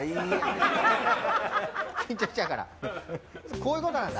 こういうことなんだ。